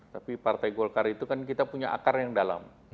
tapi partai golkar itu kan kita punya akar yang dalam